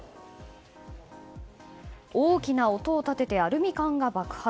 大きな音を立ててアルミ缶が爆発。